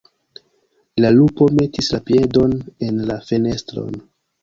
La lupo metis la piedon en la fenestron.